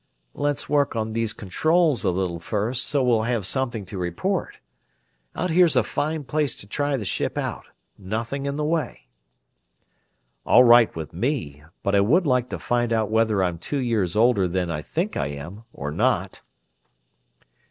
"Let's work on these controls a little first, so we'll have something to report. Out here's a fine place to try the ship out nothing in the way." "All right with me. But I would like to find out whether I'm two years older than I think I am, or not!"